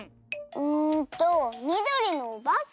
うんとみどりのおばけ？